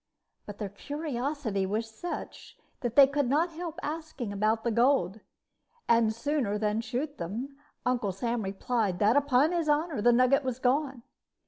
But their curiosity was such that they could not help asking about the gold; and, sooner than shoot them, Uncle Sam replied that, upon his honor, the nugget was gone.